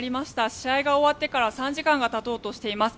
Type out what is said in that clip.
試合が終わってから３時間がたとうとしています。